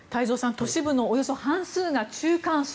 都市部のおよそ半数が中間層。